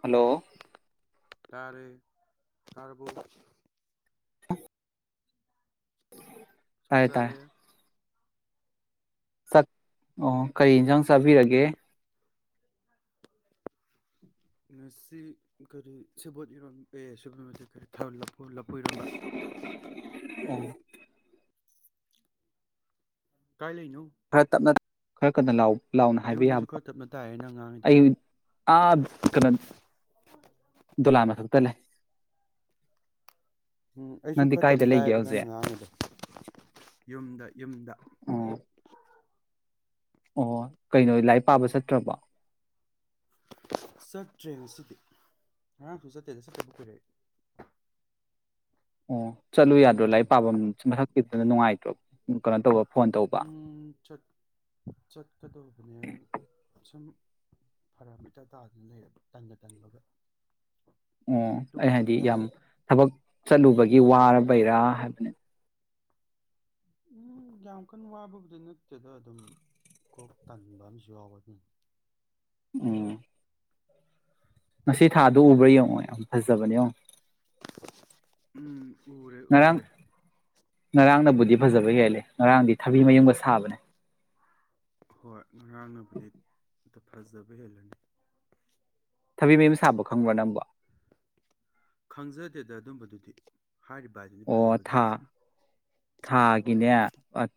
Hello ꯇꯥꯔꯦ ꯇꯥꯔꯕꯣ ꯇꯥꯔꯦ ꯆꯛꯆꯥꯔꯦ ꯆꯠ ꯑꯣ ꯀꯔꯤ ꯑꯦꯟꯖꯥꯡ ꯆꯥꯕꯤꯔꯒꯦ ꯉꯁꯤ ꯀꯥꯔꯤ ꯁꯦꯕꯣꯠ ꯏꯔꯣꯟ ꯑꯦ ꯁꯦꯕꯣꯠ ꯏꯔꯣꯝꯕꯥ ꯅꯠꯇꯦ ꯂꯐꯣꯏ-ꯂꯐꯣꯏ ꯏꯔꯣꯝꯕ ꯑꯣ ꯀꯥꯏ ꯂꯩꯅꯣ ꯈꯔ ꯇꯞꯅ ꯈꯔ ꯀꯟꯅ ꯂꯥꯎ ꯂꯥꯎꯅ ꯍꯥꯏꯕ ꯑꯩꯉꯣꯟꯗꯁꯨ ꯌꯥꯕ ꯈꯔ ꯇꯞꯅ ꯇꯥꯏꯌꯦ ꯅꯪ ꯉꯥꯡꯉꯤꯗꯣ ꯑꯩ ꯑꯥ ꯀꯩꯅꯣ ꯗꯣꯂꯥꯟ ꯃꯊꯛꯇ ꯂꯩ ꯎꯝ ꯑꯩꯁꯨ ꯅꯪꯗꯤ ꯈꯔ ꯀꯥꯏꯗ ꯇꯞꯅ ꯂꯩꯒꯦ ꯇꯥꯏꯌꯦꯕ ꯅꯪꯅ ꯍꯧꯖꯤꯛ ꯉꯥꯡꯉꯤꯗꯣ ꯌꯨꯝꯗ ꯌꯨꯝꯗ ꯑꯣ ꯑꯣ ꯀꯩꯅꯣ ꯂꯥꯏꯔꯤꯛ ꯄꯥꯕ ꯆꯠꯇ꯭ꯔꯕꯣ ꯆꯠꯇ꯭ꯔꯦ ꯉꯥꯁꯤꯗꯤ ꯉꯔꯥꯡꯁꯨ ꯆꯠꯇꯦꯗ ꯆꯠꯇꯕ ꯀꯨꯏꯔꯦꯗꯥ ꯑꯣ ꯆꯠꯂꯨ ꯌꯥꯗ꯭ꯔꯣ ꯂꯥꯏꯔꯤꯛ ꯄꯥꯕ ꯃꯊꯛ ꯈꯤꯇꯅ ꯅꯨꯡꯉꯥꯏꯇ꯭ꯔꯕ ꯀꯩꯅꯣ ꯇꯧꯕ ꯐꯣꯟ ꯇꯧꯕ ꯎꯝ ꯆꯠꯀꯗꯧꯕꯅꯦ ꯁꯨꯝ ꯐꯔꯃꯤꯇꯥ ꯇꯥꯗꯅ ꯂꯩꯔꯕꯔꯕ ꯇꯟꯒ ꯇꯟꯕꯒ ꯑꯣ ꯑꯩ ꯍꯥꯏꯗꯤ ꯑꯗꯨꯒꯤꯅꯤꯗ ꯌꯥꯝ ꯊꯕꯛ ꯆꯠꯂꯨꯕꯒꯤ ꯋꯥꯔꯕꯩꯔꯥ ꯍꯥꯏꯕꯅꯤ ꯎꯝ ꯌꯥꯝ ꯀꯟꯅ ꯋꯥꯕꯕꯨꯗꯤ ꯅꯠꯇꯦꯗ ꯑꯗꯨꯝ ꯀꯣꯛ ꯇꯟꯕ ꯑꯃꯁꯨ ꯌꯥꯎꯕ ꯑꯗꯨ ꯎꯝ ꯉꯁꯤ ꯊꯥꯗꯣ ꯎꯕ꯭ꯔꯥ ꯌꯦꯡꯉꯣ ꯌꯥꯝ ꯐꯖꯕꯅꯦ ꯑ ꯎꯝ ꯎꯔꯦ ꯉꯔꯥꯡ ꯎꯔꯦ ꯉꯔꯥꯡꯅꯕꯨꯗꯤ ꯐꯖꯕ ꯍꯦꯜꯂꯦ ꯉꯔꯥꯡꯗꯤ ꯊꯕꯤ ꯃꯌꯨꯝꯒ ꯁꯥꯕꯅꯦ ꯍꯣꯏ ꯉꯔꯥꯡꯅꯕꯨꯗꯤ ꯑꯝꯇ ꯐꯖꯕ ꯍꯦꯜꯂꯅꯤ ꯊꯕꯤ ꯃꯌꯨꯝ ꯁꯥꯕ ꯈꯪꯕ꯭ꯔꯥ ꯅꯪꯝꯕ ꯈꯪꯖꯗꯦꯗ ꯑꯗꯨꯝꯕꯗꯨꯗꯤ ꯍꯥꯏꯔꯤꯕ ꯍꯥꯏꯗꯨꯅꯤ ꯑꯣ ꯊꯥ ꯐꯖꯕꯗꯨꯕꯨ ꯁꯨꯝ ꯊꯥꯒꯤꯅꯦ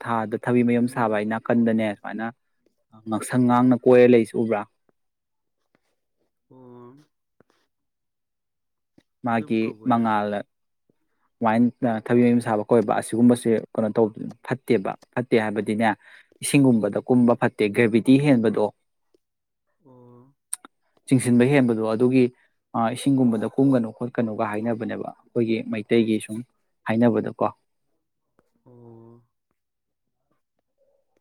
ꯊꯥꯗ ꯊꯕꯤ ꯃꯌꯨꯝ ꯁꯥꯕ ꯎꯝ ꯍꯥꯏ ꯅꯥꯀꯟꯗꯅꯦ ꯁꯨꯃꯥꯏꯅ ꯉꯥꯡꯁꯪ ꯉꯥꯡꯅ ꯀꯣꯏꯔ ꯂꯩꯁꯨ ꯎꯕ꯭ꯔꯥ ꯑꯣꯝ ꯃꯥꯒꯤ ꯃꯉꯥꯜꯗ ꯑꯗꯨꯃꯥꯏꯅ ꯊꯕꯤ ꯌ ꯁꯥꯕ ꯀꯣꯏꯕ ꯑꯁꯤꯒꯨꯝꯕꯁꯦ ꯀꯩꯅꯣ ꯇꯧꯕ ꯐꯠꯇꯦꯕ ꯐꯠꯇꯦ ꯍꯥꯏꯕꯗꯤꯅꯦ ꯏꯁꯤꯡꯒꯨꯝꯕꯗ ꯎꯝ ꯀꯨꯝꯕ ꯐꯠꯇꯦ ꯒ꯭ꯔꯦꯕꯤꯇꯤ ꯇꯤ ꯍꯦꯟꯕꯗꯣ ꯑꯣ ꯆꯤꯡꯁꯤꯟꯕ ꯍꯦꯟꯕꯗꯣ ꯑꯗꯨꯒꯤ ꯏꯁꯤꯡꯒꯨꯝꯕꯗ ꯀꯨꯝꯒꯅꯨ ꯈꯣꯠ ꯀꯩꯅꯣꯒ ꯍꯥꯏꯅꯕꯅꯦꯕ ꯑꯩꯈꯣꯏꯒꯤ ꯌꯦ ꯁꯨꯝ ꯍꯥꯏꯅꯕꯗꯀꯣ ꯑꯣ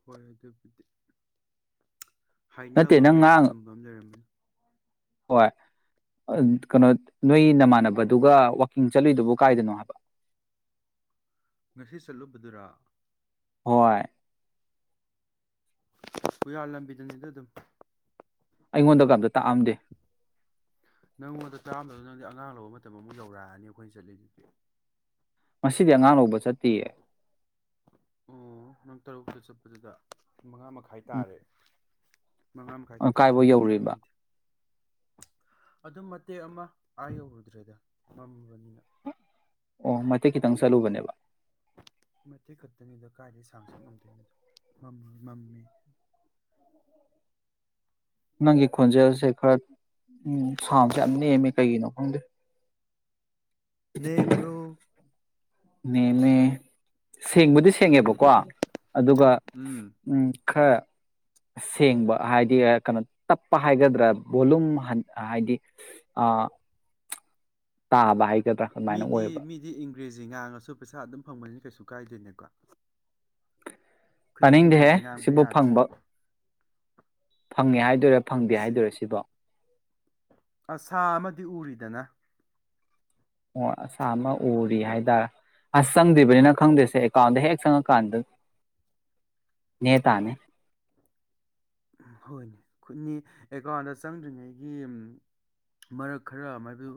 ꯍꯣꯏ ꯑꯗꯨꯗꯤ ꯅꯠꯇꯦ ꯍꯥꯏꯅꯕ ꯑꯃ ꯅꯪ ꯂꯩꯗꯤ ꯉꯔꯥꯡ ꯆꯨꯝꯕ ꯑꯃ ꯂꯩꯔꯝꯅꯤ ꯍꯣꯏ ꯀꯩꯅꯣ ꯅꯣꯏ ꯅꯃꯥꯟꯅꯕꯗꯨꯒ ꯋꯥꯋꯥꯛꯀꯤꯡ ꯆꯠꯂꯨꯏꯗꯨꯕꯨ ꯀꯥꯏꯗꯅꯣ ꯍꯥꯏꯕ ꯉꯁꯤ ꯆꯠꯂꯨꯕꯗꯨꯔ ꯍꯣꯏꯣꯏ ꯀꯨꯌꯥꯜ ꯂꯝꯕꯤꯗꯅꯤꯗ ꯑꯗꯨꯝ ꯑꯩꯉꯣꯟꯗ ꯀꯝꯇ ꯇꯥꯛꯑꯝꯗꯦ ꯅꯪꯉꯣꯟꯗ ꯆꯥꯔꯝꯗꯗꯣ ꯅꯪꯗꯤ ꯑꯉꯥꯡ ꯂꯧꯕ ꯃꯇꯝ ꯑꯃꯨꯛ ꯌꯧꯔꯛꯑꯅꯤ ꯑꯩꯈꯣꯏꯅ ꯆꯠꯂꯤꯗꯨꯗꯤ ꯃꯁꯤꯗꯤ ꯑꯉꯥꯡ ꯂꯧꯕ ꯆꯠꯇꯌꯦ ꯑꯣ ꯅꯪ ꯇꯔꯨꯛꯇ ꯆꯠꯄꯁꯤꯗ ꯃꯉꯥ ꯃꯈꯥꯏ ꯇꯥꯔꯦ ꯃꯉꯥ ꯃꯈꯥꯏ ꯎꯝ ꯈꯤꯇꯪ ꯀꯥꯏꯕꯧ ꯍꯦꯜꯂꯝꯃꯗ꯭ꯔꯥ ꯌꯧꯔꯤꯕ ꯈꯪꯗꯦ ꯑꯗꯨꯝ ꯃꯇꯦꯛ ꯑꯃ ꯑꯥ ꯌꯧꯔꯨꯗ꯭ꯔꯦꯗ ꯃꯝꯕꯅꯤꯅ ꯑꯣ ꯃꯇꯦꯛ ꯈꯤꯇꯪ ꯆꯠꯂꯨꯕꯅꯦꯕ ꯃꯇꯦꯛ ꯈꯛꯇꯅꯤꯗ ꯀꯥꯏꯗ ꯁꯥꯡꯁꯨ ꯉꯝꯗꯣꯏꯅꯣꯗꯣ ꯃꯝꯁꯨ ꯃꯝꯃꯤ ꯅꯪꯒꯤ ꯈꯣꯟꯖꯦꯜꯁꯦ ꯈꯔ ꯎ ꯁꯥꯎꯟꯁꯦ ꯌꯥꯝ ꯅꯦꯝꯃꯦ ꯀꯩꯒꯤꯅꯣ ꯈꯪꯗꯦ ꯅꯦꯝꯕ꯭ꯔꯣ ꯅꯦꯃꯦ ꯁꯦꯡꯕꯨꯗꯤ ꯁꯦꯡꯉꯦꯕꯀꯣ ꯑꯗꯨꯒ ꯎꯝ ꯈꯔ ꯁꯦꯡꯕ ꯍꯥꯏꯗꯤ ꯀꯩꯅꯣ ꯇꯞꯄ ꯍꯥꯏꯒꯗ꯭ꯔꯥ ꯚꯣꯂꯨꯝ ꯍꯥꯏꯗꯤ ꯑ ꯇꯥꯕ ꯍꯥꯏ ꯒꯗ꯭ꯔꯥ ꯑꯗꯨꯃꯥꯏꯅ ꯑꯣꯏꯌꯦꯕ ꯒ꯭ꯔꯦꯁꯤ ꯉꯥꯡꯉꯁꯨ ꯄꯩꯁꯥ ꯑꯗꯨꯝ ꯐꯪꯕꯅꯤꯅ ꯀꯩꯁꯨ ꯀꯥꯏꯗꯦꯅꯦꯀꯣ ꯑꯩꯈꯣꯏꯗꯤ ꯇꯥꯅꯤꯡꯗꯦꯍꯦ ꯏꯪꯒ꯭ꯔꯦꯖꯤ ꯉꯥꯡꯕ ꯁꯤꯕꯨ ꯌꯥꯗ꯭ꯔꯦ ꯐꯪꯕ ꯐꯪꯉꯦ ꯍꯥꯏ ꯍꯥꯏꯗꯣꯏꯔꯥ ꯐꯪꯗꯦ ꯉꯁꯤꯗꯤ ꯍꯥꯏꯗꯣꯏꯔꯥ ꯁꯤꯕꯣ ꯑꯁꯥ ꯑꯃꯗꯤ ꯎꯔꯤꯗꯅ ꯑꯣ ꯑꯁꯥ ꯑꯃ ꯎꯔꯤ ꯍꯥꯏꯇꯥꯔꯦ ꯑꯁ ꯆꯪꯗ꯭ꯔꯤꯕꯅꯤꯅ ꯈꯪꯗ꯭ꯔꯦꯁꯦ ꯑꯦꯀꯥꯎꯟꯗ ꯍꯦꯛ ꯆꯪꯉꯀꯥꯟꯗ ꯅꯦ ꯇꯥꯅꯤ ꯍꯣꯏꯅꯦ ꯈꯨꯠꯅꯤ ꯑꯦꯀꯥꯎꯟꯗ ꯆꯪꯗ꯭ꯔꯤꯉꯩꯒꯤ ꯃꯔꯛ ꯈꯔ ꯃꯗꯨ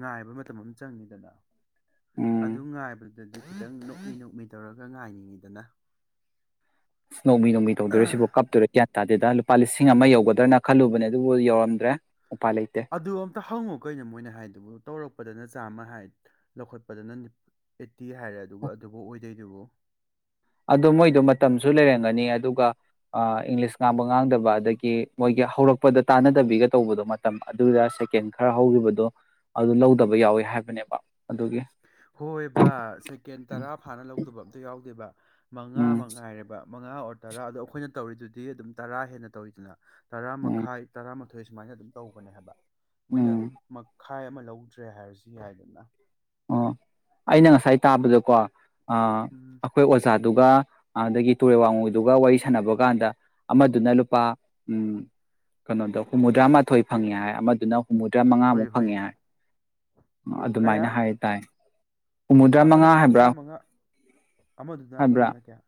ꯉꯥꯏꯕ ꯃꯇꯝ ꯑꯃ ꯆꯪꯉꯤꯗꯅ ꯎꯝ ꯑꯗꯨꯝ ꯉꯥꯏꯕꯗꯗꯤ ꯑꯗꯨ ꯈꯤꯇꯪ ꯅꯣꯛꯃꯤ ꯅꯣꯛꯃꯤ ꯇꯧꯔꯒ ꯉꯥꯏꯅꯤꯡꯉꯤꯗꯅ ꯅꯧꯃꯤ ꯅꯣꯡꯃꯤ ꯇꯧꯗꯔꯣ ꯁꯤꯕꯨ ꯀꯞꯇꯔꯦ ꯒ꯭ꯌꯥꯟ ꯇꯥꯗꯦꯗ ꯂꯨꯄꯥ ꯂꯤꯁꯤꯡ ꯑꯃ ꯌꯧꯒꯗ꯭ꯔꯥꯅ ꯈꯜꯂꯨꯕꯅꯦ ꯑꯗꯨꯕꯨ ꯌꯧꯔꯝꯗ꯭ꯔꯦ ꯎꯄꯥꯏ ꯂꯩꯇꯦ ꯑꯗꯨ ꯑꯝꯇ ꯍꯪꯉꯨ ꯀꯩꯅꯣ ꯃꯣꯏꯅ ꯍꯥꯏꯗꯨꯕꯨ ꯇꯧꯔꯛ ꯗꯅ ꯆꯥꯝꯃꯥ ꯍꯥꯏ ꯂꯧꯈꯠꯄꯗꯅ ꯇꯤ ꯍꯥꯏꯔꯦ ꯑꯗꯨꯒ ꯑꯗꯨꯕꯨ ꯑꯣꯏꯗꯣꯏꯗꯨꯕꯨ ꯑꯗꯣ ꯃꯣꯏꯗꯣ ꯃꯇꯝꯁꯨ ꯂꯩꯔꯝꯒꯅꯤ ꯑꯗꯨꯒ ꯏꯪꯂꯤꯁ ꯉꯥꯡꯕ ꯉꯥꯡꯗꯕ ꯑꯗꯒꯤ ꯃꯣꯏꯒꯤ ꯍꯧꯔꯛꯄꯗ ꯇꯥꯟꯅꯗꯕꯤꯒ ꯇꯧꯕꯗꯣ ꯃꯇꯝ ꯑꯗꯨꯗ ꯁꯦꯀꯦꯟ ꯈꯔ ꯍꯧꯈꯤꯕꯗꯣ ꯑꯗꯨ ꯂꯧꯗꯕ ꯌꯥꯎꯋꯦ ꯍꯥꯏꯕꯅꯦꯕ ꯑꯗꯨꯒꯤ ꯍꯣꯏ ꯕꯥ ꯁꯦꯀꯦꯟ ꯇꯔꯥ ꯐꯥꯅ ꯂꯧꯗꯕ ꯑꯝꯇ ꯌꯥꯎꯗꯦꯕ ꯃꯉꯥ ꯎꯝ ꯃꯉꯥꯏꯔꯕ ꯃꯉꯥ ꯑꯣꯔ ꯇꯔꯥ ꯑꯗꯣ ꯑꯩꯈꯣꯏꯅ ꯇꯧꯔꯤꯗꯨꯗꯤ ꯑꯗꯨꯝ ꯇꯔꯥ ꯍꯦꯟꯅ ꯇꯧꯔꯤꯗꯅ ꯇꯔꯥ ꯎꯝ ꯃꯈꯥꯏ ꯇꯔꯥ ꯑꯊꯣꯏ ꯁꯨꯃꯥꯏꯅ ꯑꯗꯨꯝ ꯇꯧꯕꯅꯦ ꯍꯥꯏꯕ ꯃꯣꯏꯅ ꯎꯝ ꯇꯈꯥꯏ ꯑꯃ ꯂꯧꯗ꯭ꯔꯦ ꯍꯥꯏꯔꯁꯨ ꯌꯥꯏꯗꯅ ꯑꯣ ꯑꯩꯅ ꯉꯁꯥꯏ ꯇꯥꯕꯗꯀꯣ ꯑꯥ ꯎꯝ ꯑꯈꯣꯏ ꯑꯣꯖꯥ ꯑꯗꯨꯒ ꯑꯗꯥꯒꯤ ꯇꯨꯔꯦꯜ ꯋꯥꯡꯉꯨꯗꯨꯒ ꯋꯥꯔꯤ ꯁꯥꯟꯅꯕ ꯀꯥꯟꯗ ꯑꯃꯗꯨꯅ ꯂꯨꯄꯥ ꯎꯝ ꯀꯩꯅꯣꯗ ꯍꯨꯝꯐꯨꯇꯔꯥ ꯃꯥꯊꯣꯏ ꯐꯪꯉꯦ ꯍꯥꯏ ꯑꯃꯗꯨꯅ ꯍꯨꯝꯐꯨꯇꯔꯥ ꯍꯣꯏ ꯃꯉꯥꯃꯨꯛ ꯍꯣꯏ ꯐꯪꯉꯦ ꯌꯥꯏ ꯀꯌꯥ ꯑꯗꯨꯃꯥꯏꯅ ꯍꯥꯏ ꯍꯨꯝꯐꯨꯗꯔꯥ ꯑꯃꯅ ꯃꯉꯥ ꯍꯥꯏꯕ꯭ꯔꯥ ꯍꯨꯝꯐꯨꯇꯔꯥ ꯃꯉꯥ ꯑꯃꯗꯨꯅ ꯍꯥꯏꯕ꯭ꯔꯥ ꯑꯃꯗꯨꯅ ꯀꯌꯥ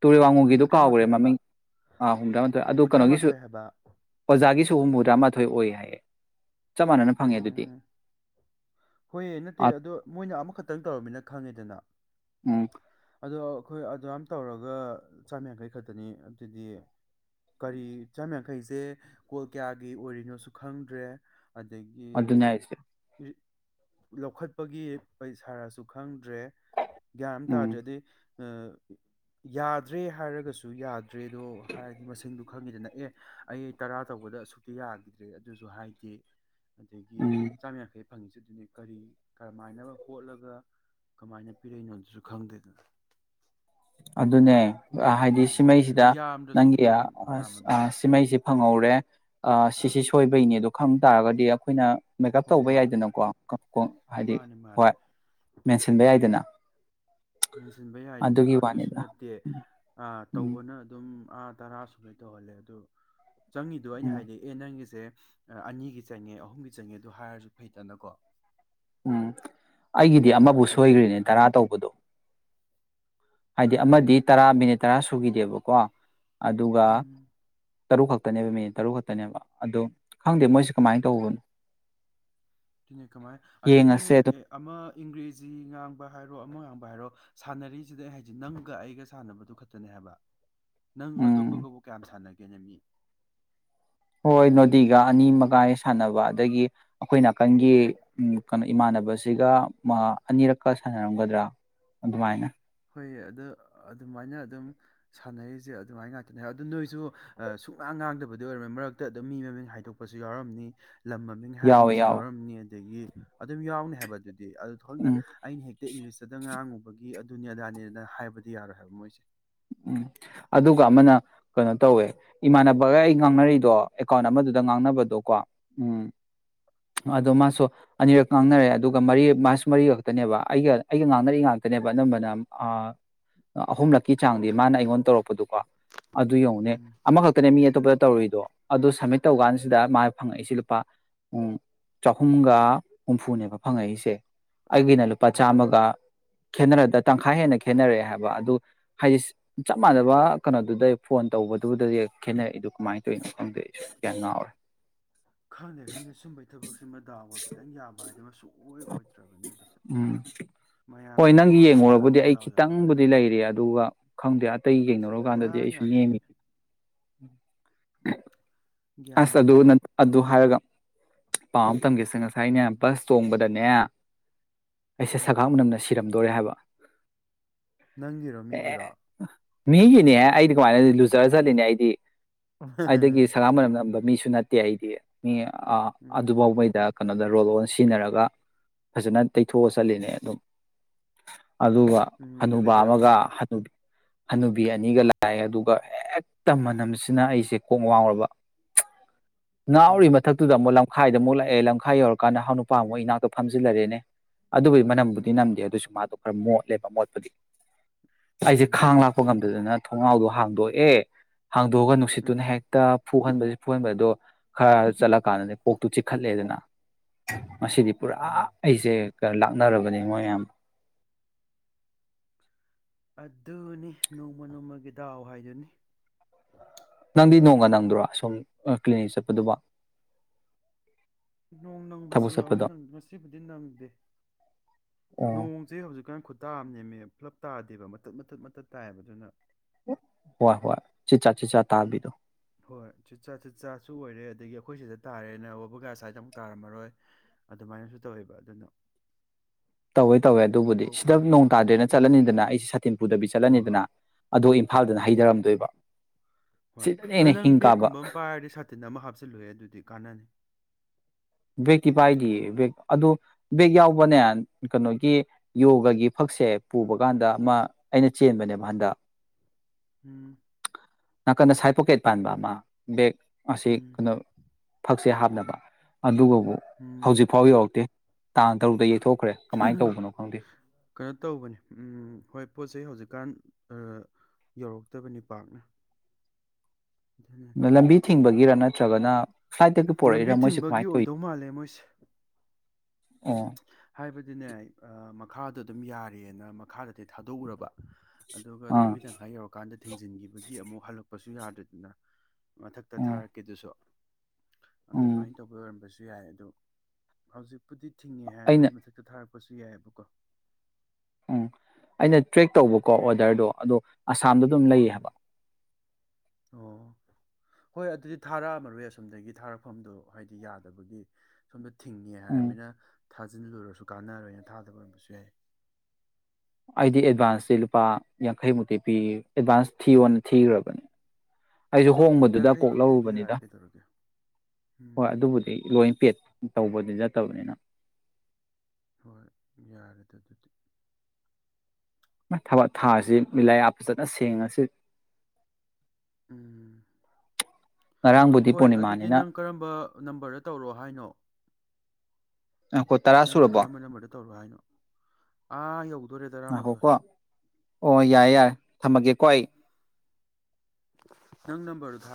ꯇꯨꯔꯦꯜ ꯋꯥꯡꯉꯨꯒꯤꯗꯨ ꯀꯥꯎꯈ꯭ꯔꯦ ꯍꯨꯝꯐꯨꯇꯔꯥꯃꯥꯊꯣꯏ ꯍꯥꯏꯕ ꯃꯃꯤꯡ ꯍꯨꯝꯗ꯭ꯔꯥ ꯃꯥꯊꯣꯏ ꯑꯗꯨ ꯀꯩꯅꯣꯒꯤꯁꯨ ꯍꯨꯝꯐꯨꯇꯔꯥꯃꯥꯊꯣꯏ ꯍꯥꯏꯕ ꯑꯣꯖꯥ ꯒꯤꯁꯨ ꯍꯨꯝꯐꯨꯇꯔꯥꯃꯥꯊꯣꯏ ꯑꯣꯏ ꯍꯥꯏꯌꯦꯦ ꯎꯝ ꯍꯣꯏ ꯅꯠꯇꯦ ꯑꯥ ꯑꯗꯣ ꯃꯣꯏꯅ ꯑꯃꯈꯛꯇꯪ ꯇꯧꯔꯕꯃꯤꯅ ꯈꯪꯉꯦꯗꯅ ꯎꯝ ꯑꯗꯣ ꯑꯩꯈꯣꯏ ꯑꯗꯨꯃꯝ ꯇꯧꯔꯒ ꯆꯥꯝꯃ ꯌꯥꯡꯈꯩ ꯈꯛꯇꯅꯤ ꯑꯗꯨꯗꯤ ꯀꯔꯤ ꯆꯥꯝ ꯌꯥꯡꯈꯩꯁꯦ ꯀꯣꯜ ꯀꯌꯥꯒꯤ ꯑꯣꯏꯔꯤꯅꯣꯁꯨ ꯈꯪꯗ꯭ꯔꯦ ꯑꯗꯒꯤ ꯑꯗꯨꯅꯦ ꯍꯥꯏꯁꯦ ꯂꯧꯈꯠꯄꯒꯤ ꯄꯩꯁꯥꯔꯁꯨ ꯈꯪꯗꯦ ꯭ꯔꯦ ꯒ꯭ꯌꯥꯟ ꯑꯃ ꯎꯝ ꯇꯥꯗ꯭ꯔꯗꯤ ꯌꯥꯗ꯭ꯔꯦ ꯍꯥꯏꯔꯒꯁꯨ ꯌꯥꯗ ꯇ꯭ꯔꯦꯗꯣ ꯍꯥꯏꯔꯗꯤ ꯃꯁꯤꯡꯗꯨ ꯈꯪꯉꯤꯗꯅ ꯑꯦ ꯑꯩ ꯇꯔꯥ ꯇꯧꯕꯗ ꯑꯁꯨꯛꯇꯤ ꯌꯥꯈꯤꯗ꯭ꯔꯦ ꯑꯗꯨꯁꯨ ꯍꯥꯏꯗꯤ ꯑꯗꯒꯤ ꯎꯝ ꯆꯥꯝ ꯌꯥꯡꯈꯩ ꯐꯪꯉꯤꯁꯤ ꯑꯗꯨꯅꯤ ꯀꯔꯤ ꯀꯔꯝꯃꯥꯏꯅꯅꯕ ꯍꯣꯠꯂꯒ ꯀꯃꯥꯏꯅ ꯄꯤꯔꯛꯏꯅꯣꯗꯨꯁꯨ ꯈꯪꯗꯦꯗꯅ ꯑꯗꯨꯅꯦ ꯀꯣꯝꯃꯦ ꯍꯥꯏꯗꯤ ꯁꯤꯃꯩꯁꯤꯗ ꯉꯝꯃꯛꯑꯣꯏ ꯌꯥꯝꯗ꯭ꯔꯁꯨ ꯅꯪꯒꯤ ꯈꯤꯇꯪ ꯌꯥꯝꯃꯗꯤ ꯐꯩ ꯁꯤꯃꯩꯁꯦ ꯐꯪꯍꯧꯔꯦ ꯁꯤꯁꯤ ꯁꯣꯏꯕꯩꯅꯤ ꯑꯗꯣ ꯈꯪꯕ ꯇꯥꯔꯒꯗꯤ ꯑꯩꯈꯣꯏꯅ ꯃꯦꯀꯞ ꯍꯣꯏ ꯇꯧꯕ ꯍꯣꯏ ꯌꯥꯏꯗꯅꯀꯣ ꯍꯥꯏꯗꯤ ꯃꯥꯅꯤ ꯍ ꯃꯥꯅꯤ ꯃꯦꯟꯁꯤꯟꯕ ꯌꯥꯏꯗꯅ ꯃꯦꯟꯁꯤꯟꯕ ꯌꯥꯏꯗꯅ ꯑꯗꯨꯒꯤ ꯑꯗꯨꯨꯁꯨ ꯋꯥꯅꯤꯗ ꯅꯠꯇꯦ ꯎꯝ ꯇꯧꯕꯅ ꯑꯗꯨꯝ ꯎꯝ ꯑꯥ ꯇꯔꯥ ꯁꯨꯕꯩ ꯇꯧꯍꯜꯂꯦ ꯑꯗꯨ ꯆꯪꯉꯗꯣ ꯑꯩꯅ ꯎꯝ ꯍꯥꯏꯗꯤ ꯑꯦ ꯅꯪꯒꯤꯁꯦ ꯑꯅꯤꯒꯤ ꯆꯪꯉꯦ ꯑꯍꯨꯝꯒꯤ ꯆꯪꯉꯦ ꯑꯗꯨ ꯍꯥꯏꯔꯁꯨ ꯐꯩꯇꯅꯀꯣ ꯎꯝ ꯑꯩꯒꯤꯗꯤ ꯑꯃꯕꯨ ꯁꯣꯏꯈ꯭ꯔꯤꯅꯦ ꯑꯝꯇ ꯇꯔꯥ ꯍꯥꯏꯗꯦ ꯇꯧꯕꯗꯣ ꯍꯥꯏꯗꯤ ꯑꯃꯗꯤ ꯇꯔꯥ ꯃꯤꯅꯤꯠ ꯇꯔꯥ ꯁꯨꯈꯤꯗꯦꯕꯀꯣ ꯑꯗꯨꯒ ꯎꯝ ꯇꯔꯨꯛ ꯈꯛꯇꯅꯦꯕ ꯃꯤꯅꯤꯠ ꯇꯔꯨꯛ ꯈꯛꯇꯅꯦꯕ ꯑꯗꯣ ꯈꯪꯗꯦ ꯃꯣꯏꯁꯦ ꯀꯃꯥꯏꯅ ꯇꯧꯕꯅꯣ ꯑꯗꯨꯅꯦ ꯀꯃꯥꯏ ꯑꯗꯒꯤ ꯌꯦꯡꯉꯁꯦ ꯑꯗꯨꯝ ꯑꯃ ꯏꯪꯒ꯭ꯔꯦꯖꯤ ꯉꯥꯡ ꯍꯥꯏꯔꯣ ꯑꯃ ꯉꯕ ꯍꯥꯏꯔꯣ ꯁꯥꯟꯅꯔꯤꯁꯤꯗ ꯑꯩ ꯍꯥꯏꯁꯦ ꯅꯪꯒ ꯑꯩꯒ ꯁꯥꯟꯅꯕꯗꯨ ꯈꯛꯇꯅꯦ ꯍꯥꯏꯕ ꯅꯪ ꯎꯝ ꯑꯇꯣꯞꯄꯒꯕꯨ ꯀꯌꯥꯝ ꯁꯥꯟꯅꯒꯦ ꯀꯩꯅꯃꯤ ꯍꯣꯏ ꯅꯣꯗꯤꯒ ꯑꯅꯤ ꯃꯒꯥꯏ ꯁꯥꯟꯅꯕ ꯑꯗꯒꯤ ꯑꯩꯈꯣꯏ ꯅꯥꯀꯟꯒꯤ ꯀꯩꯅꯣ ꯏꯃꯥꯟꯅꯕꯁꯤꯒ ꯑꯅꯤꯔꯛꯀ ꯁꯥꯟꯅꯔꯝꯒꯗ꯭ꯔꯥ ꯑꯗꯨꯃꯥꯏꯅ ꯑꯩꯈꯣꯏ ꯑꯗ ꯑꯗꯨꯃꯥꯏꯅ ꯑꯗꯨꯝ ꯁꯥꯟꯅꯔꯤꯁꯦ ꯑꯗꯨꯃꯥꯏꯅ ꯉꯥꯛꯇꯅꯦ ꯑꯗꯨꯗ ꯅꯣꯏꯁꯨ ꯁꯨꯅꯥꯥꯡ ꯉꯥꯡꯗꯕꯗꯤ ꯑꯣꯏꯔꯝꯅꯤ ꯃꯔꯛꯇ ꯑꯗꯨꯝ ꯃꯤ ꯃꯃꯤꯡ ꯍꯥꯏꯗꯣꯛꯄꯁꯨ ꯌꯥꯎꯔꯝꯅꯤ ꯂꯝ ꯃꯃꯤꯡ ꯌꯥꯎꯋꯦ ꯍꯥꯏꯈꯤꯕꯁꯨ ꯌꯥꯎꯋꯦ ꯌꯥꯎꯔꯝꯅꯤ ꯑꯗꯒꯤ ꯑꯗꯨꯝ ꯌꯥꯎꯅꯤ ꯍꯥꯏꯕ ꯑꯗꯨꯗꯤ ꯑꯗꯨ ꯊꯣꯛꯅ ꯎꯝ ꯑꯩꯅ ꯍꯦꯛ ꯏꯪꯂꯤꯁꯇꯗ ꯉꯔꯥꯡꯉꯨꯕꯒꯤ ꯑꯗꯨ ꯑꯗꯨꯅꯤ ꯑꯗꯥꯅꯦꯅ ꯍꯥꯏꯕꯗꯤ ꯌꯥꯔꯣꯏ ꯍꯥꯏꯕ ꯃꯣꯏꯁꯦ ꯎꯝ ꯑꯗꯨꯒ ꯑꯃꯅ ꯀꯩꯅꯣ ꯇꯧꯋꯦ ꯏꯃꯥꯟꯅꯕꯒ ꯑꯩ ꯉꯥꯡꯅꯔꯤꯗꯣ ꯑꯦꯀꯥꯎꯟ ꯑꯃꯗꯨꯗ ꯉꯥꯡꯅꯕꯗꯣꯀꯣ ꯎꯝ ꯑꯗꯣ ꯃꯥꯁꯨ ꯑꯅꯤꯔꯛ ꯉꯥꯡꯅꯔꯦ ꯑꯗꯨꯒ ꯃꯔꯤ ꯃꯥꯁꯨ ꯃꯔꯤ ꯈꯛꯇꯅꯦꯕ ꯑꯩꯒ ꯑꯩꯒ ꯉꯥꯡꯅꯔꯤ ꯉꯥꯛꯇꯅꯦꯕ ꯑꯅꯝꯕꯅ ꯑꯍꯨꯝꯂꯛꯀꯤ ꯆꯥꯡꯗꯤ ꯃꯥꯅ ꯑꯩꯉꯣꯟꯗ ꯇꯧꯔꯛꯄꯗꯨꯀꯣ ꯑꯗꯨ ꯌꯧꯅꯦ ꯎꯝ ꯑꯃꯈꯛꯇꯅꯦ ꯃꯤ ꯑꯇꯣꯞꯄ ꯇꯧꯔꯤꯏꯗꯣ ꯑꯗꯣ ꯁꯕꯃꯤꯠ ꯇꯧꯀꯥꯟꯁꯤꯗ ꯃꯥ ꯐꯪꯉꯛꯏꯁꯦ ꯂꯨꯄꯥ ꯎ ꯆꯍꯨꯝꯒ ꯍꯨꯝꯐꯨꯅꯦꯕ ꯐꯪꯉꯛꯏꯁꯦ ꯑꯩꯒꯤꯅ ꯂꯨꯄꯥ ꯑꯗꯨꯅꯦ ꯆꯃꯒ ꯈꯦꯅꯔꯗ ꯇꯪꯈꯥꯏ ꯍꯦꯟꯅ ꯈꯦꯠꯅꯔꯛꯑꯦ ꯍꯥꯏꯕ ꯑꯗꯨ ꯍꯥꯏꯗꯤ ꯆꯞ ꯃꯥꯟꯅꯕ ꯀꯩꯅꯣꯗꯨꯗ ꯐꯣꯟ ꯇꯧꯕꯗꯨꯗꯗꯤ ꯈꯦꯠꯅꯔꯛꯏꯗꯨ ꯀꯃꯥꯏꯅ ꯇꯧꯔꯤꯅꯣ ꯈꯪꯗ ꯑꯩꯁꯨ ꯀꯌꯥ ꯉꯥꯎꯔꯦ ꯈꯪꯗꯦ ꯈꯪꯗꯦ ꯁꯨꯝꯕꯩ ꯊꯕꯛꯁꯤꯃ ꯗꯥꯎꯕ ꯈꯤꯇꯪ ꯌꯥꯕ ꯍꯥꯏꯗꯅꯃ ꯁꯨꯡꯣꯏ ꯑꯣꯏꯗ꯭ꯔꯕꯅꯤ ꯑꯗꯣ ꯎꯝ ꯍꯣꯏ ꯅꯪꯒꯤ ꯃꯌꯥꯝꯗꯒꯤ ꯀꯔꯤ ꯌꯦꯡꯉꯨꯔꯕꯨꯗꯤ ꯂꯩꯊꯣꯛꯑꯒ ꯑꯩ ꯗꯥꯎ ꯌꯥꯕꯒ ꯈꯤꯇꯪꯕꯨꯗꯤ ꯍꯥꯏꯗꯨꯗꯤ ꯂꯩꯔꯤ ꯑꯗꯨꯒ ꯈꯪꯗꯦ ꯑꯇꯩ ꯁꯨꯛꯌꯥ ꯌꯦꯩꯅꯧꯔꯀꯥꯟꯗꯗꯤ ꯑꯩꯁꯨ ꯅꯦꯝꯃꯤ ꯌꯥꯗ꯭ꯔꯕꯅꯦ ꯍ ꯒ꯭ꯌꯥꯟ ꯑꯁ ꯑꯃ ꯑꯗꯨ ꯑꯗꯨ ꯅ ꯇꯥꯗꯦ ꯑꯗꯨ ꯑꯗꯨ ꯍꯥꯏꯔꯒ ꯄꯥꯎ ꯑꯃ ꯇꯝꯒꯦꯁꯦ ꯉꯁꯥꯏꯅꯦ ꯕꯁ ꯇꯣꯡꯕꯗꯅꯦ ꯑꯩꯁꯦ ꯎꯝ ꯁꯒꯥꯛ ꯎꯅꯝꯅ ꯁꯤꯔꯝꯃꯤ ꯇꯣꯔꯦ ꯍꯥꯏꯕ ꯅꯪꯔꯣ ꯃꯤꯔ ꯃꯤꯒꯤꯅꯦꯍ ꯑꯩꯗꯤ ꯀꯃꯥꯏꯅ ꯂꯨꯖꯔ ꯆꯠꯂꯤꯅꯦ ꯑꯩꯗꯤ ꯑꯩꯗꯒꯤ ꯁꯒꯝ ꯃꯅꯝ ꯅꯝꯕ ꯃꯤꯁꯨ ꯅꯠꯇꯦ ꯑꯩꯗꯤ ꯃꯤ ꯑ ꯎꯝ ꯑꯗꯨꯐꯥꯎꯕꯩꯗ ꯀꯩꯅꯣꯗ ꯔꯣꯜ ꯑꯣꯟ ꯁꯤꯖꯤꯟꯅꯔꯒ ꯐꯖꯅ ꯇꯩꯊꯣꯛꯑ ꯆꯠꯂꯤꯅꯦ ꯑꯗꯨꯝ ꯑꯗꯨꯒ ꯎꯝ ꯑꯗ ꯑꯅꯨꯕꯥ ꯀꯩꯗꯧꯔꯕ ꯑꯃꯒ ꯍꯅꯨꯕꯤ ꯑꯅꯤꯒ ꯂꯥꯛ ꯑꯗꯨꯒ ꯍꯦꯛꯇ ꯃꯅꯝꯁꯤꯅ ꯑꯩꯁꯦ ꯀꯣꯛ ꯋꯥꯡꯔꯕ ꯉꯅꯥꯎꯔꯤ ꯎꯝ ꯃꯊꯛꯇꯨꯗ ꯃꯣ ꯂꯝꯈꯥꯏꯗ ꯑꯃꯨꯛ ꯂꯥꯛꯑꯦ ꯂꯝꯈꯥꯏ ꯌꯧꯔꯀꯥꯟꯗ ꯍꯧ ꯅꯨꯄꯥ ꯑꯃꯨꯛ ꯏꯅꯥꯛꯇ ꯐꯝꯖꯤꯜꯂꯔꯦꯅꯦ ꯑꯗꯨꯒꯤ ꯃꯅꯕꯨꯗꯤ ꯎꯝ ꯅꯝꯗꯦ ꯑꯗꯨꯁꯨ ꯃꯥꯗ ꯃꯣꯠꯂꯦꯕ ꯃꯣꯠꯄꯗꯤ꯫ ꯑꯩꯖꯦ ꯎꯝ ꯈꯥꯡ ꯂꯥꯛꯄꯉꯝ ꯑꯗꯨꯗꯅ ꯊꯣꯡꯅꯥꯎꯗꯣ ꯍꯥꯡꯗꯣꯛꯑꯦ꯫ ꯍꯥꯡꯗꯣꯛꯑꯒ ꯅꯨꯡꯁꯤꯠꯇꯨꯅ ꯎꯝ ꯍꯦꯛꯇ ꯐꯨꯍꯟꯕꯖꯤ ꯐꯨꯍꯟꯕꯖꯤ ꯑꯗꯣ ꯈ ꯆꯠꯂ ꯀꯥꯟꯅꯅꯤ꯫ ꯀꯣꯛꯇꯨ ꯆꯤꯛꯈꯠꯂꯦꯗꯅ꯫ ꯉꯁꯤꯗꯤ ꯄꯨꯔꯥ ꯎꯝ ꯑꯩꯖꯦ꯫ ꯂꯥꯛꯅꯔꯕꯅꯦ ꯃꯣꯏ ꯌꯥꯝ꯫ ꯑꯗꯨꯅꯤ ꯅꯣꯡꯃ ꯅꯣꯡꯃꯒꯤ ꯗꯥꯎ ꯍꯥꯏꯗꯨꯅꯤ꯫ ꯅꯪꯗꯤ ꯅꯣꯡꯒ ꯅꯪꯗꯣꯏ꯭ꯔꯣ ꯁꯣꯝ ꯀ꯭ꯂꯤꯅꯤꯛ ꯆꯠꯄꯗꯨꯕꯣ꯫ ꯅꯣꯡ ꯊꯕꯛ ꯅꯪꯕꯖꯨ ꯌꯥꯎꯋꯤ ꯆꯠꯄꯗꯣ ꯉꯁꯤꯕꯨꯗꯤ ꯅꯪꯗꯦ ꯑꯣ ꯅꯣꯡꯖꯦ ꯍꯧꯖꯤꯛꯀꯥꯟ ꯈꯨꯇꯥꯑꯅꯦꯃꯦ꯫ ꯄꯨꯂꯞ ꯇꯥꯗꯦꯕ ꯃꯇꯠ ꯃꯇꯠ ꯃꯇꯠ ꯇꯥꯏꯌꯦꯕ ꯑꯗꯨꯅ ꯍꯣꯏ ꯍꯣꯏ ꯆꯤ ꯆ ꯆꯤ ꯆ ꯇꯥꯕꯤꯗꯣ꯫ ꯍꯣꯏ ꯆꯤꯠ ꯆꯥ ꯆꯤꯠ ꯆꯥ ꯆꯨ ꯑꯣꯏꯔꯦ ꯑꯗꯒꯤ ꯑꯩꯈꯣꯏ ꯁꯤꯗ ꯇꯥꯔꯦꯅ ꯋꯥꯕꯒꯥꯏ ꯑꯁ꯭ꯋꯥꯏꯗ ꯑꯃꯨꯛ ꯇꯥꯔꯝꯃꯔꯣꯏ ꯑꯗꯨꯃꯥꯏꯅꯖꯨ ꯇꯧꯋꯦꯕ ꯑꯗꯨꯅ ꯇꯧꯋꯦ ꯇꯧꯋꯦ ꯑꯗꯨꯕꯨꯗꯤ ꯀꯣꯛ ꯁꯤꯗ ꯉꯥꯎꯋꯦ ꯅꯣꯡ ꯇꯥꯗ꯭ꯔꯦꯅ ꯆꯠꯂꯅꯤꯗꯅ ꯑꯩꯁꯦ ꯇꯤꯝꯄꯨꯗꯕꯤ ꯍꯣꯏ ꯍꯣꯏ ꯆꯠꯂꯅꯤꯗꯅ ꯑꯗꯣ ꯏꯝꯐꯥꯜꯗꯅ ꯎꯝ ꯍꯩꯗꯔꯝꯗꯣꯏꯕ꯫ ꯍꯣꯏ ꯑꯗꯣ ꯅꯪ ꯕꯦꯛꯀꯨꯝꯕ ꯑꯃ ꯄꯥꯏꯔꯗꯤ ꯁꯥꯇꯤꯟ ꯑꯃ ꯍꯥꯞꯆꯤꯜꯂꯨꯍꯦ ꯑꯗꯨꯗꯤ ꯀꯥꯟꯅꯅꯤ꯫ ꯕꯦꯛꯇꯤ ꯄꯥꯏꯗꯤꯌꯦ ꯕꯦꯛ ꯑꯗꯣ ꯕꯦꯛ ꯌꯥꯎꯕꯅꯦ ꯀꯩꯅꯣꯒꯤ ꯌꯣꯒꯒꯤ ꯐꯛꯁꯦ ꯄꯨꯕ ꯀꯥꯟꯗ ꯑꯃ ꯑꯩꯅ ꯆꯦꯟꯕꯅꯦꯕ ꯍꯟꯗꯛ ꯎꯝ꯫ ꯅꯥꯀꯟꯗ ꯁꯥꯏꯠ ꯄꯣꯀꯦꯠ ꯄꯥꯟꯕ ꯑꯃ ꯕꯦꯛ꯫ ꯎꯝ [unintelligible] ꯁꯦ ꯍꯥꯞꯅꯕ꯫ ꯑꯗꯨꯒꯕꯨ ꯎꯝ ꯍꯧꯖꯤꯛꯐꯥꯎ ꯌꯧꯔꯛꯇꯦ꯫ ꯇꯥ ꯇꯧꯕꯗ ꯌꯩꯊꯣꯛ ꯀꯩꯅꯣ ꯇꯧꯕꯅꯦ ꯎꯝ ꯍꯣꯏ ꯄꯣꯠ ꯆꯩꯩ ꯍꯧꯖꯤꯛꯀꯥꯟ꯫ ꯎꯝ ꯌꯧꯔꯛꯇꯕꯅꯤ ꯄꯥꯛꯅ꯫ ꯑꯗꯨꯅꯅꯤ ꯂ ꯂꯝꯕꯤ ꯊꯤꯡꯕꯒꯤ꯫ ꯒꯤꯔ ꯅꯠꯇ꯭ꯔꯒꯅ ꯐ꯭ꯂꯥꯏꯠꯇꯒꯤ ꯂꯝꯕꯤ ꯄꯣꯔꯛꯏꯔꯥ ꯃꯣꯏꯁꯦ ꯊꯤꯡꯕꯒꯤ ꯀꯃꯥꯏꯅ ꯇꯧꯏ ꯑꯣꯏꯗꯧ ꯃꯥꯜꯂꯦ ꯃꯣꯏꯁꯦ꯫ ꯑꯣ ꯍꯥꯏꯕꯗꯤꯅꯦ ꯑ ꯃꯛ ꯃꯈꯥꯗ ꯑꯗꯨꯝ ꯌꯥꯔꯦꯅ ꯃꯈꯥꯗꯗꯤ ꯊꯥꯗꯣꯛꯎꯔꯕ꯫ ꯑꯗꯨꯒ ꯑꯥ ꯂꯝꯕꯤ ꯇꯪꯈꯥꯏ ꯌꯧꯔꯀꯥꯟꯗ ꯊꯤꯡꯖꯤꯟꯒꯤꯕꯒꯤ ꯑꯃꯨꯛ ꯍꯜꯂꯛ ꯀꯄꯁꯨ ꯌꯥꯗ꯭ꯔꯦꯗꯅ ꯃꯊꯛꯇ ꯎꯝ ꯊꯥꯔꯛꯀꯦꯗꯨꯁꯨ ꯎꯝ ꯑꯗꯨꯃꯥꯏꯅ ꯇꯧꯕ ꯑꯣꯏꯔꯝꯕꯁꯦ ꯨ ꯌꯥꯏ ꯑꯗꯣ ꯍꯧꯖꯤꯛꯄꯨꯗꯤ ꯊꯤꯡꯉꯦ ꯑꯩꯅ ꯍꯥꯏꯔꯒꯒꯤ ꯃꯊꯛꯇ ꯊꯥꯔꯛꯄ ꯄꯁꯨ ꯌꯥꯏꯑꯕꯀꯣ ꯎꯝ ꯑꯩꯅ ꯇ꯭ꯔꯦꯛ ꯇꯧꯕꯀꯣ ꯑꯣꯗꯔꯗꯣ ꯑꯗꯣ ꯑ ꯑꯁꯥꯝꯗ ꯑꯗꯨꯝ ꯎꯝ ꯂꯩꯌꯦꯕ ꯑꯣ ꯍꯣꯏ ꯑꯗꯨꯗꯤ ꯊꯥꯔꯛꯑꯃꯔꯣꯏ ꯑꯁꯣꯝꯗꯒꯤ ꯊꯥꯔꯛꯐꯝꯗꯣ ꯍꯥꯏꯗꯤ ꯌꯥꯗꯕꯒꯤ ꯁꯣꯝꯗ ꯊꯤꯡꯉꯦ ꯎꯝ ꯍꯥꯏꯔꯕꯅꯤꯅ ꯊꯥꯖꯤꯜꯂꯨꯔꯁꯨ ꯀꯥꯟꯅꯔꯣꯏꯅ ꯊꯥꯗꯕ ꯑꯣꯏꯔꯝꯕꯁꯨ ꯌꯥꯏ ꯑꯩꯗꯤ ꯑꯦꯗꯚꯥꯟꯁꯇꯦ ꯂꯨꯄꯥ ꯌꯥꯡꯈꯩꯃꯨꯛꯇꯤ ꯄꯤ ꯑꯦꯗꯚꯥꯟꯁ ꯊꯤꯌꯣꯅ ꯊꯤꯈ꯭ꯔꯕꯅꯤ ꯑꯩꯁꯨ ꯍꯣꯡꯕꯗꯨꯗ ꯌꯥꯡꯈꯩ ꯄꯣꯛ ꯈꯛꯇꯕꯨ ꯌꯥꯔꯦ ꯂꯧꯔꯨꯕꯅꯤꯗ ꯀꯩꯗꯧꯔꯒꯦ ꯍꯣꯏ ꯎꯝ ꯑꯗꯨꯕꯨꯗꯤ ꯂꯣꯏ ꯄꯦꯠ ꯇꯧꯕꯗꯤ ꯅꯠꯇꯕꯅꯤꯅ ꯍꯣꯏ ꯌꯥꯔꯦꯗꯤ ꯑꯗꯨꯗꯤ ꯊꯕꯛ ꯊꯥꯁꯤ ꯃꯤꯂꯥꯌꯥꯐꯖꯅ ꯁꯦꯡꯉꯁꯤ ꯎꯝ ꯉꯔꯥꯡꯕꯨꯗꯤ ꯍꯣꯏ ꯑꯗꯨꯗꯤ ꯄꯨꯔꯅꯤꯃꯥꯅꯤꯅ ꯅꯪ ꯀꯔꯝꯕ ꯅꯝꯕꯔꯗ ꯇꯧꯔꯑꯣ ꯍꯥꯏꯅꯣ ꯉꯥꯏꯈꯣ ꯇꯔꯥ ꯅꯪꯒꯤ ꯁꯨꯔꯕꯣ ꯀꯔꯝꯕꯅꯝꯕꯗ ꯇꯧꯔꯣ ꯍꯥꯏꯅꯣ ꯑꯥ ꯌꯧ ꯉꯈꯣꯀꯣ ꯑꯣ ꯌꯥꯏ ꯌꯥꯏ ꯊꯝꯃꯒꯦꯀꯣꯏ ꯅꯪ ꯅꯝꯕꯝꯕꯔ ꯊꯔ